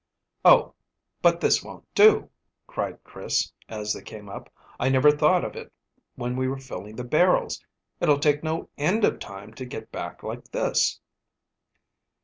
"Oh, but this won't do," cried Chris, as they came up. "I never thought of it when we were filling the barrels. It'll take no end of time to get back like this."